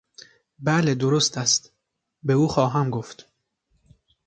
بله درست است، به او خواهم گفت.